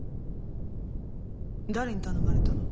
誰に頼まれたの？